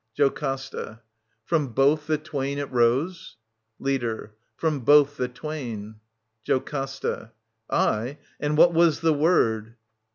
JOCASTA. From both the twain it rose ? Leader. From both the twain. JoCASTA. Aye, and what was the word